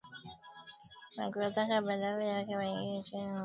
na kuwataka badala yake waingie nchini humo mara kwa mara kusaidia